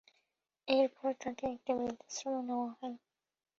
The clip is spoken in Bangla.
এর পর তাঁকে একটি বৃদ্ধাশ্রমে নেওয়া হয়।